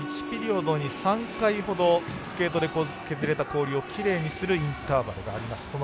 １ピリオドに３回ほどスケートで削れた氷をきれいにするインターバルがあります。